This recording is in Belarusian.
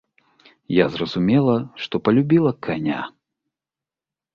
Я зразумела, што палюбіла каня.